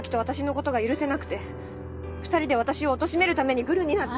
ことが許せなくて２人で私をおとしめるためにグルになって。